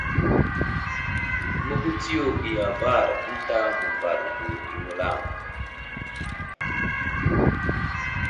Məhutsiyo i avər ənta məmbaɗ vo i wulam.